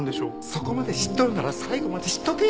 そこまで知っとるなら最後まで知っとけ！